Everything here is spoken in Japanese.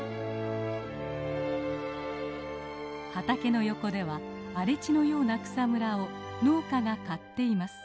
畑の横では荒れ地のような草むらを農家が刈っています。